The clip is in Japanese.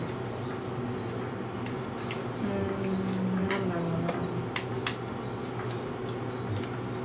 うん何だろうな。